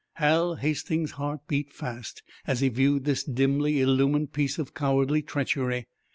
Hal Hastings's heart beat fast as he viewed this dimly illumined piece of cowardly treachery.